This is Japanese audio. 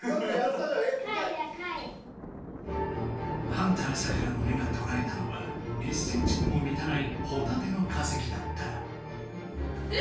ハンターサクラの目がとらえたのは１センチにもみたないホタテの化石だった。